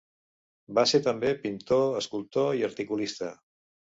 Va ser també pintor, escultor i articulista.